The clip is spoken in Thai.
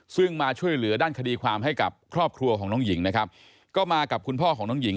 ซึ่งมาช่วยเหลือด้านคดีความให้กับครอบครัวของน้องหญิงนะครับก็มากับคุณพ่อของน้องหญิง